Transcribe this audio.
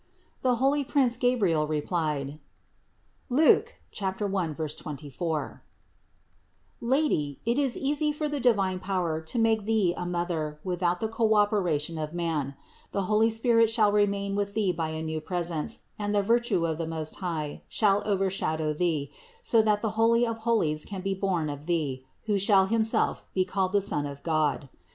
134. The holy prince Gabriel replied (Luke 1, 24) : "Lady, it is easy for the divine power to make Thee a Mother without the co operation of man ; the Holy Spirit shall remain with Thee by a new presence and the virtue of the Most High shall overshadow Thee, so that the Holy of holies can be born of Thee, who shall himself be called the Son of God.